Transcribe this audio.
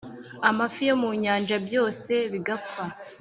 amafi yo mu nyanja, byose bigapfa.